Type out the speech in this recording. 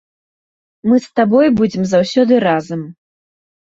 Мы з табой будзем заўсёды разам.